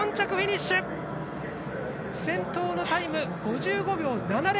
先頭のタイムは５５秒７０。